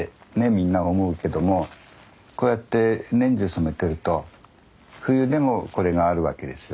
みんな思うけどもこうやって年中染めてると冬でもこれがあるわけですよ。